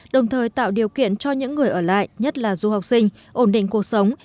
đồng thời tạo điều kiện cho những người ở lại nhất là du học sinh ổn định cuộc sống